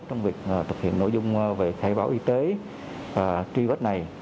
trong việc thực hiện nội dung về khai báo y tế truy vết này